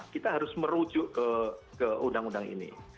kita harus merujuk ke undang undang ini